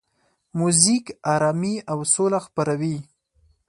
موزیک آرامي او سوله خپروي.